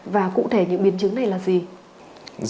và cụ thể những biến chứng này là gì